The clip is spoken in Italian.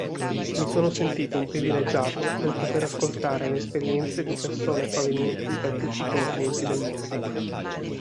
Mi sono sentito un privilegiato nel poter ascoltare le esperienze di persone provenienti da tutti i continenti del Mondo.